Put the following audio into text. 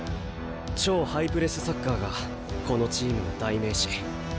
超ハイプレスサッカーがこのチームの代名詞。